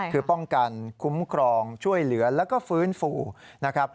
คือป้องกันคุ้มครองช่วยเหลือแล้วก็ฟื้นฟูนะครับ